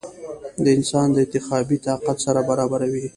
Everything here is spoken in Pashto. د انسان د انتخابي طاقت سره برابروې ؟